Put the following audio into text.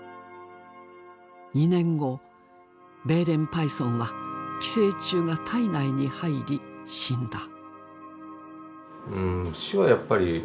２年後ベーレンパイソンは寄生虫が体内に入り死んだ。